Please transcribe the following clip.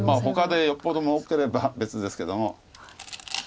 ほかでよっぽどもうければ別ですけども。